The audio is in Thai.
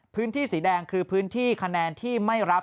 พื้นที่สีแดงคือพื้นที่คะแนนที่ไม่รับ